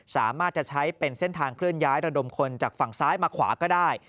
สามารถจะใช้เป็นเส้นทางเคลื่อนย้ายระดมคนจากฝั่งซ้ายมาขวาก็ได้